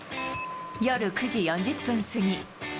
夜９時４０分過ぎ。